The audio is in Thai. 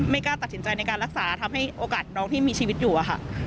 กล้าตัดสินใจในการรักษาทำให้โอกาสน้องที่มีชีวิตอยู่อะค่ะ